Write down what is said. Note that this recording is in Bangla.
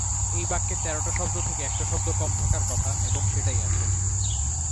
এই বাক্যে তেরোটা শব্দ থেকে একটা শব্দ কম থাকার কথা এবং সেটাই আছে।